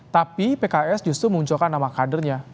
tapi pks justru munculkan nama kadernya